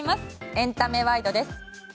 エンタメワイドです。